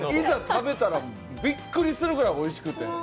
食べたら、びっくりするぐらいおいしくて。